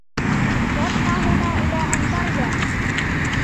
سأبقىَ هنا إلى أن ترجع.